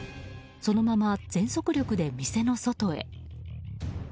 そのまま全速力で店の外へ。